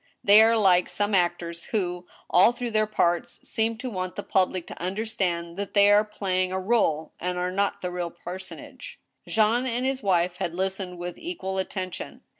They are like some actors who, all through their parts, seem to want the public to understand that they are playing a rdle^ and are not the real personage. Jean and his wife had listened with equal attention.